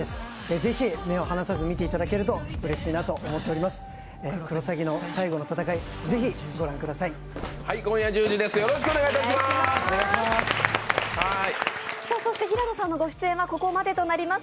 ぜひ目を離さず見ていただけるとうれしいなと思っています。